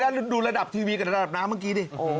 แล้วดูระดับทีวีกับระดับน้ำเมื่อกี้ดิ